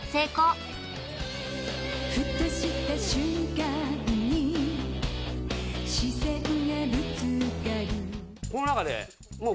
「ふとした瞬間に視線がぶつかる」